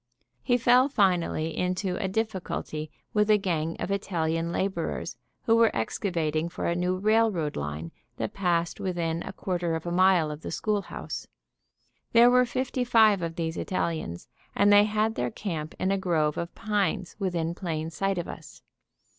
He fell finally into a difficulty with a gang of Italian laborers who were excavating for a new railroad line that passed within a quarter of a mile of the schoolhouse. There were fifty five of these Italians, and they had their camp in a grove of pines within plain sight of us.